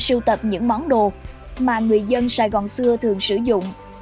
sưu tập những món đồ mà người dân sài gòn xưa thường sử dụng